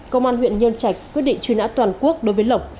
công an huyện nhân trạch quyết định truy nã toàn quốc đối với lộc